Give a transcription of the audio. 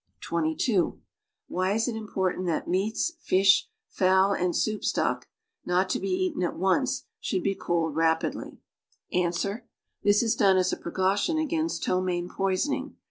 {■ii) Why is it important that meals, fish, fowl anitsonp stoek, ncjt to !)<■ eaten at ouee, should he cooled rapidly? Ans. This IS done as a precaution against ptomaine poisoning.